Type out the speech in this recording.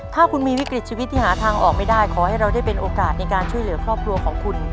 ถ้าคุณมีวิกฤตชีวิตที่หาทางออกไม่ได้ขอให้เราได้เป็นโอกาสในการช่วยเหลือครอบครัวของคุณ